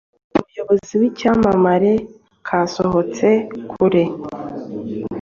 Umuyobozi wicyamamare kasohotse kure